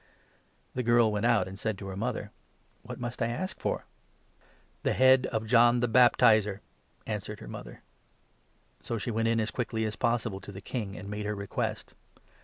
The girl went out, and said to her mother ' What must I ask for ?'' The head of John the Baptizer,' answered her mother. So she went in as quickly as possible to the King, 25 and made her request.